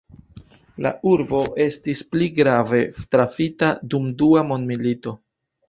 La urbo estis pli grave trafita dum la dua mondmilito.